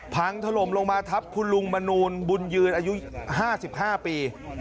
พังถล่มลงมาทับคุณลุงมนูลบุญยืนอายุ๕๕ปี